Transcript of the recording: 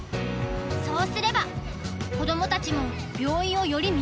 そうすれば子どもたちも病院をより身近に感じてくれる。